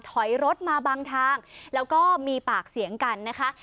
ถอยรถมาบางทางแล้วก็มีปากเสียงกันนะคะ